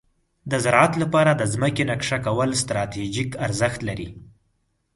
د زراعت لپاره د ځمکې نقشه کول ستراتیژیک ارزښت لري.